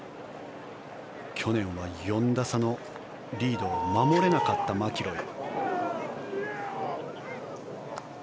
去年は４打差のリードを守れなかったマキロイ。